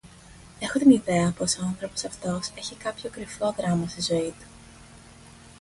Έχω την ιδέα πως ο άνθρωπος αυτός έχει κάποιο κρυφό δράμα στη ζωή του